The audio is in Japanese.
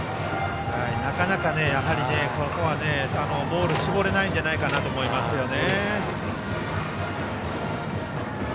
なかなか、ここはボールを絞れないんじゃないかと思いますよね。